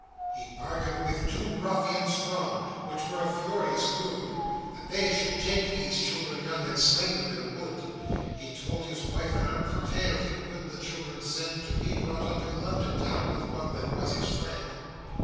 He bargained with two ruffians strong, Which were of furious mood, That they should take these children young, And slay them in a wood. He told his wife an artful tale He would the children send To be brought up in London town With one that was his friend.